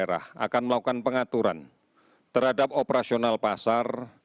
jadi gugus tugas daerah akan melakukan pengaturan terhadap operasional pasar